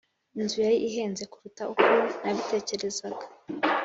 [] inzu yari ihenze kuruta uko nabitekerezaga.